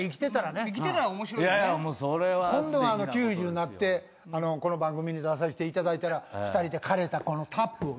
今度は９０になってこの番組に出させていただいたら２人で。